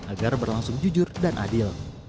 agar berlangsung jujur dan adil